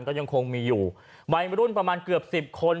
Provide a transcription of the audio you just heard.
ก็ยังคงมีอยู่วัยรุ่นประมาณเกือบสิบคน